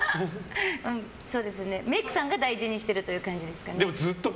メイクさんが大事にしてるという感じですかね。